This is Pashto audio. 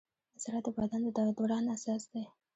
زړه د بدن د دوران اساس دی.